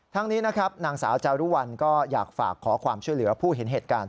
นี้นะครับนางสาวจารุวัลก็อยากฝากขอความช่วยเหลือผู้เห็นเหตุการณ์